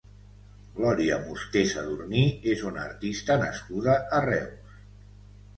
Glòria Musté Sadurní és una artista nascuda a Reus.